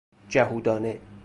جهودانه